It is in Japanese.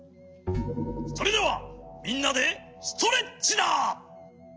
それではみんなでストレッチだ！